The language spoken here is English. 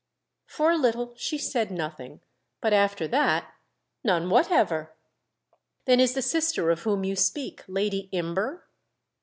For a little she said nothing; but after that: "None whatever!" "Then is the sister of whom you speak Lady Imber?"